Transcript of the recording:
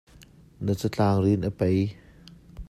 Na catlangrin a pei.